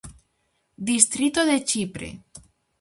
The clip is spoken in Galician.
Distrito de Chipre.